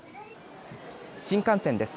新幹線です。